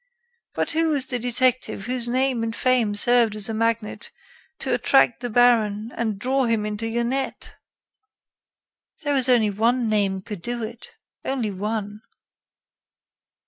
But who is the detective whose name and fame served as a magnet to attract the baron and draw him into your net?" "There is only one name could do it only one."